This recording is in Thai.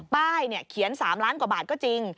ป้ายเขียน๓ล้านกว่าบาทก็จริง